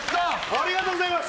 ありがとうございます。